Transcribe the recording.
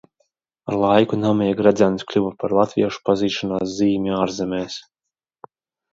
Ar laiku Nameja gredzens kļuva par latviešu pazīšanās zīmi ārzemēs.